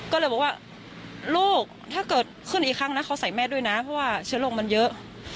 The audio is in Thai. ก็เลยบอกว่าลูกถ้าเกิดขึ้นอีกครั้งนะเขาใส่แม่ด้วยนะเพราะว่าเชื้อโรคมันเยอะ